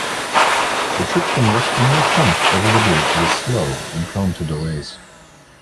The trip from Lechmere Point over the bridge was slow and prone to delays.